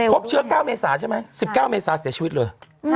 พบเชื้อ๙เมษาใช่ไหม๑๙เมษาเสียชีวิตเลย